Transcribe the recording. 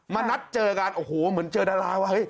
มานัดเจอกันโอ้โหเหมือนเจอดาราวะ